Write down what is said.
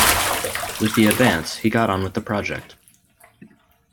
With the advance, he got on with the project.